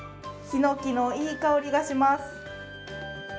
ひのきのいい香りがします。